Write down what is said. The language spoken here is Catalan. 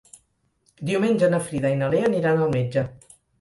Diumenge na Frida i na Lea aniran al metge.